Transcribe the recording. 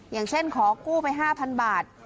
อย่างเช่นขอกู้ไป๕๐๐บาท